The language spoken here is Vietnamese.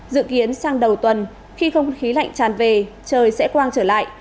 dự kiến sang đầu tuần khi không khí lạnh tràn về trời sẽ quang trở lại bụi bẩn được khoách tán và ô nhiễm không khí sẽ giảm